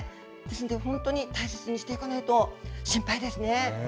本当に大切にしていかないと心配ですね。